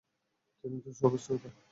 তিনি তো সর্বশ্রোতা, সর্বজ্ঞ।